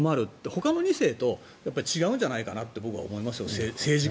ほかの２世と違うんじゃないかと僕は思いますよ。